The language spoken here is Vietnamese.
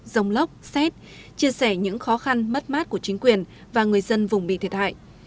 dông lốc xét chia sẻ những khó khăn mất mát của chính quyền và người dân vùng bị thiệt hại